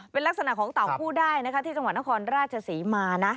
เป็นลักษณะของเต่าผู้ได้นะคะที่จังหวัดนครราชศรีมานะ